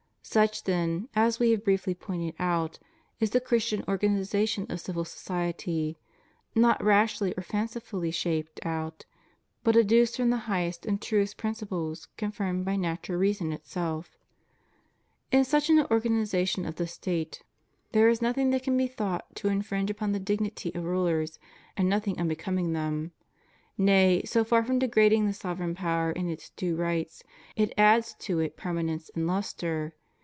Such then, as We have briefly pointed out, is the Chris tian organization of civil society; not rashly or fancifully shaped out, but educed from the highest and truest prin ciples, confirmed by natural reason itself. In such an organization of the State, there is nothing 116 CHRISTIAN CONSTITUTION OF STATES. that can be thought to infringe upon the dignity of rulers, and nothing unbecoming them; nay, so far from degrad ing the sovereign power in its due rights, it adds to it permanence and lustre.